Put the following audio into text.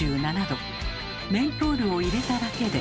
メントールを入れただけで。